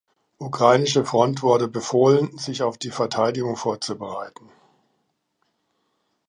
Ukrainische Front wurde befohlen, sich auf die Verteidigung vorzubereiten.